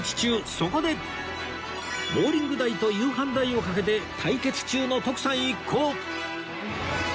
そこでボウリング代と夕飯代をかけて対決中の徳さん一行